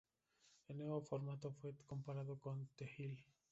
El nuevo formato fue comparado con "The Hill".